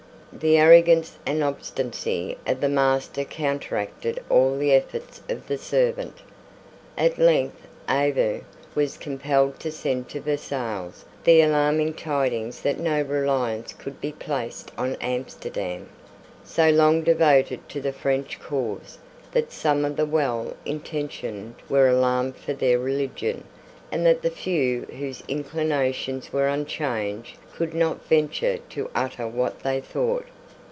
The arrogance and obstinacy of the master counteracted all the efforts of the servant. At length Avaux was compelled to send to Versailles the alarming tidings that no reliance could be placed on Amsterdam, so long devoted to the French cause, that some of the well intentioned were alarmed for their religion, and that the few whose inclinations were unchanged could not venture to utter what they thought.